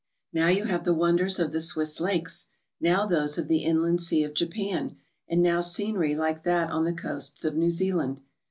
Now you have the wonders of the Swiss lakes, now those of the Inland Sea of Japan, and now scenery like that on the coasts of New Zealand.